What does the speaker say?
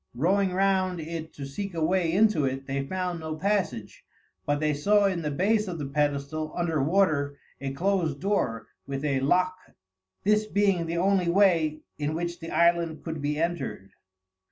Rowing round it to seek a way into it they found no passage, but they saw in the base of the pedestal, under water, a closed door with a lock this being the only way in which the island could be entered.